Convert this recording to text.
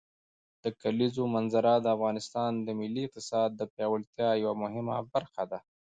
د کلیزو منظره د افغانستان د ملي اقتصاد د پیاوړتیا یوه مهمه برخه ده.